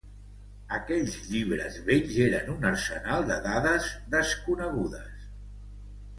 Aquells llibres vells eren un arsenal de dades desconegudes.